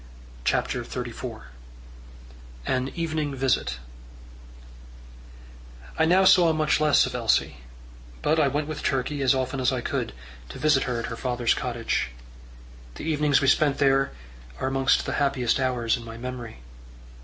CHAPTER XXXIV An Evening Visit I now saw much less of Elsie; but I went with Turkey, as often as I could, to visit her at her father's cottage. The evenings we spent there are amongst the happiest hours in my memory.